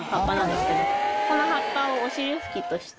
この葉っぱをお尻拭きとして。